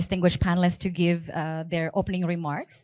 saya ingin menginvite jadi tolong sertai saya di atas